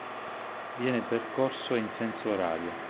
Viene percorso in senso orario.